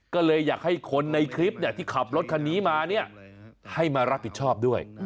ก็เลยอยากให้คนในคลิปที่ขับรถคันนี้มาเนี่ยให้มารับผิดชอบด้วย